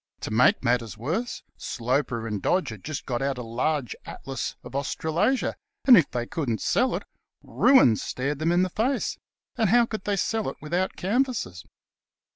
To make matters worse, Sloper and Dodge had just got out a large Atlas of Australasia, and if they couldn't sell it, ruin stared them in the face ; and how could they sell it without canvassers